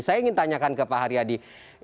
saya ingin tanyakan ke pak haryadi